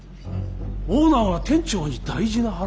オーナーが店長に大事な話？